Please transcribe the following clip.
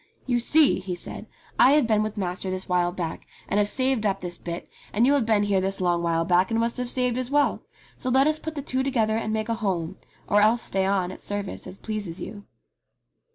"You see !" he said, "I have been with master this while back, and have saved up this bit, and you have been here this long while back and must have saved as well. So let us put the two together and make a home, or else stay on at service as pleases you."